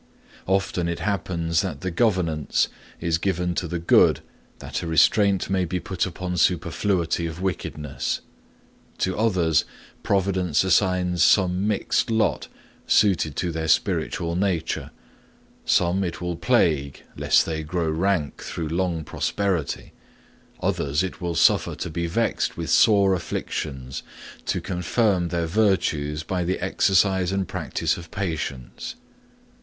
Often it happens that the governance is given to the good that a restraint may be put upon superfluity of wickedness. To others providence assigns some mixed lot suited to their spiritual nature; some it will plague lest they grow rank through long prosperity; others it will suffer to be vexed with sore afflictions to confirm their virtues by the exercise and practice of patience.